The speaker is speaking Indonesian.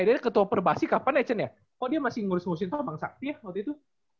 eh dari ketua perbasik kapan ya cen ya kok dia masih ngurus ngurusin tomang sakti ya waktu itu